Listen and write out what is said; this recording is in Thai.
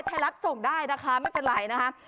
ไทยรัฐส่งได้นะคะไม่เป็นไรนะคะ